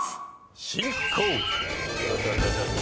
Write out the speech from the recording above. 進行！